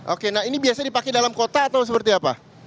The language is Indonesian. oke nah ini biasa dipakai dalam kota atau seperti apa